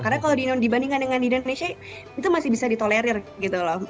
karena kalau dibandingkan dengan di indonesia itu masih bisa ditolerir gitu loh